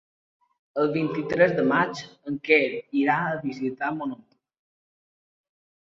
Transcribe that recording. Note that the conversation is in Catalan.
El vint-i-tres de maig en Quer irà a visitar mon oncle.